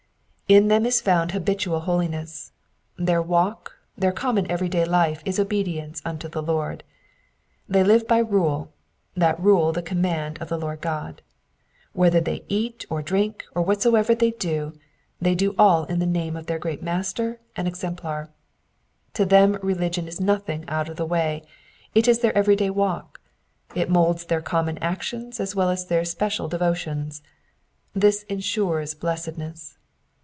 In them is found habitual holiness. Their walk, their common everyday life is obedience unto the Lord. They live by rule, that rule the conmiand of the Lord God. Whether they eat or drink, or whatsoever they do, they do all in the name of their great Master and 'Exemplar. To them religion is nothing out of the way, it is their every day walk : it moulds their common actions as well as their special devotions. This ensures blessedness.